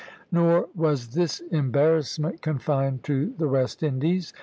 Nor was this embarrassment confined to the West Indies.